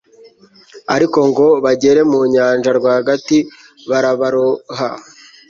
ariko ngo bagere mu nyanja rwagati, barabaroha